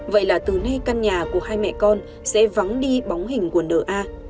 vậy là từ nay căn nhà của hai mẹ con sẽ vắng đi bóng hình quần đỡ a